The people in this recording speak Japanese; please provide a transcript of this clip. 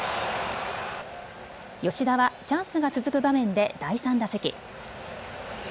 吉田はチャンスが続く場面で第３打席。